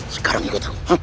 sekarang ikut aku